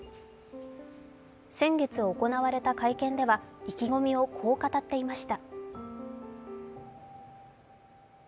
先月、行われた会見では意気込みをこう語っていました。